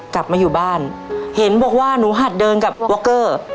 กลับมาอยู่บ้านเห็นบอกว่าหนูหัดเดินกับว็อกเกอร์